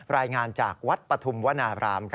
รายงานจากวัดปฐุมวนาบราม